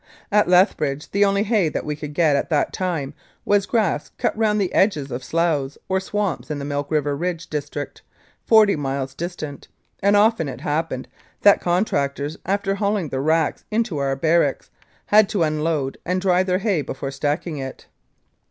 At Lethbridge the only hay that we could get at that time was grass cut round the edges of sloughs or swamps in the Milk River Ridge district, forty miles distant, and often it happened that contractors after hauling their racks into our barracks, had to unload and dry their hay before stacking it.